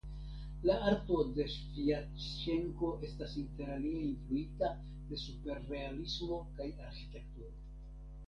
La arto de Svjatĉenko estas interalie influita de superrealismo kaj arĥitekturo.